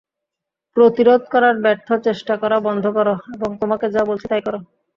প্রতিরোধ করার ব্যর্থ চেষ্টা করা বন্ধ কর এবং তোমাকে যা বলছি তাই কর।